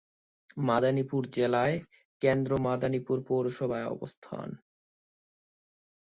মাদারীপুর জেলার কেন্দ্রে মাদারীপুর পৌরসভার অবস্থান।